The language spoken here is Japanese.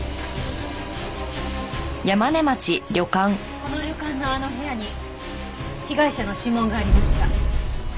この旅館のあの部屋に被害者の指紋がありました。